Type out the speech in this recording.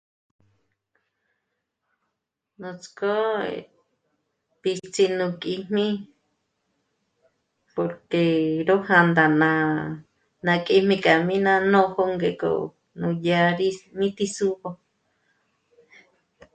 Nuts'ko pítsí nù kíjmi porque ró hā̂ndā ná... ná kíjmi k'a mí ná nójo ngek'o nú ja'a rí mití sū́'ugö